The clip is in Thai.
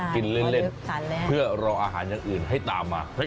กินเล่นเพื่อรออาหารอย่างอื่นให้ตามมา